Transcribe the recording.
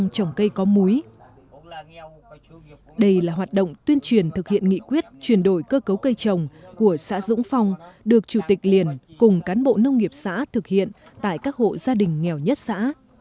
đây là hoạt động tuyên truyền thực hiện nghị quyết chuyển đổi cơ cấu cây trồng của xã dũng phong được chủ tịch liền cùng cán bộ nông nghiệp xã thực hiện tại các hộ gia đình nghèo nhất xã